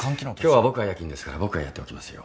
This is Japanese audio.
今日は僕が夜勤ですから僕がやっておきますよ。